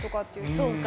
そうか。